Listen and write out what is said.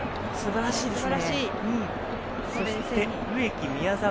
すばらしいですね。